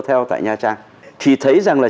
theo tại nha trang thì thấy rằng là